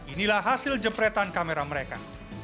inilah hasil jepretan kamera mereka